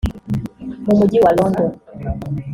mu Mujyi wa London